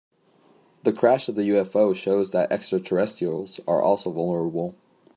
The crash of the UFO shows that extraterrestrials are also vulnerable.